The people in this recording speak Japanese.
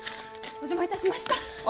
お邪魔いたしました。